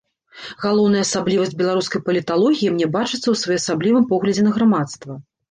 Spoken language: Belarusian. Галоўная асаблівасць беларускай паліталогіі мне бачыцца ў своеасаблівым поглядзе на грамадства.